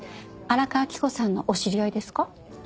荒川着子さんのお知り合いですか？